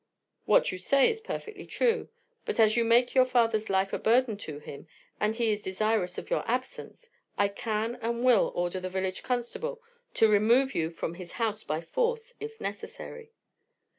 "What you say is perfectly true; but as you make your father's life a burden to him, and he is desirous of your absence, I can and will order the village constable to remove you from his house by force, if necessary."